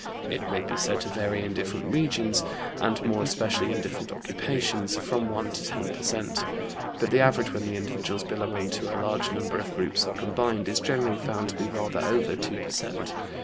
It may be said to vary in different regions and more especially in different occupations, from 1 to 10 per cent. But the average when the individuals belonging to a large number of groups are combined is generally found to be rather over 2 per cent.